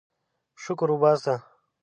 شکر وباسه.